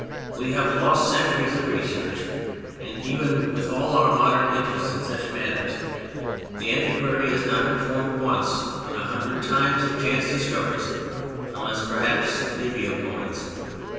We have lost centuries of research, and, even with all our modern interest in such matters, the antiquary is not informed once in a hundred times of chance discoveries, unless perhaps they be of coins.